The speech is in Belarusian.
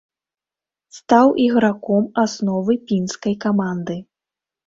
Стаў іграком асновы пінскай каманды.